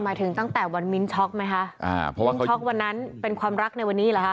หมายถึงตั้งแต่วันมิ้นช็อกไหมฮะมิ้นช็อกวันนั้นเป็นความรักในวันนี้หรอฮะ